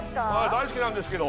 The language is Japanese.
大好きなんですけど。